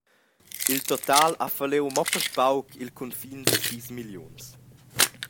Il total ha falliu mo per pauc il cunfin da sis milliuns.